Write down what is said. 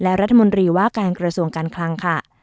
และรัฐมนตรีว่าการกระทรวงการคลังค่ะ